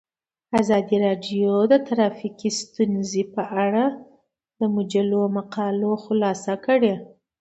ازادي راډیو د ټرافیکي ستونزې په اړه د مجلو مقالو خلاصه کړې.